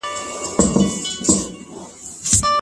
ولي کورني شرکتونه ساختماني مواد له ایران څخه واردوي؟